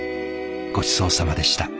ごちそうさまでした。